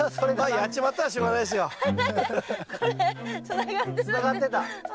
やっちまったらしょうがないですよ。ははは。